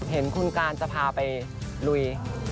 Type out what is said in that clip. เห็นคุณการจะพาไปลุย